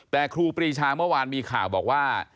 แต่ครูปรีชาเมื่อวานมีข่าวบอกว่า